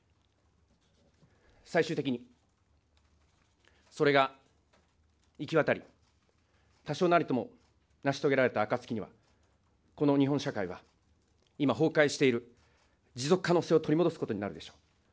最終的に、それが行き渡り、多少なりとも成し遂げられたあかつきには、この日本社会は、今崩壊している持続可能性を取り戻すことになるでしょう。